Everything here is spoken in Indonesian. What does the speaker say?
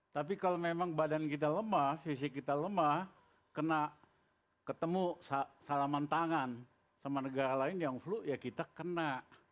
tapi kalau memang badan kita lemah fisik kita lemah kena ketemu salaman tangan sama negara lain yang flu ya kita kena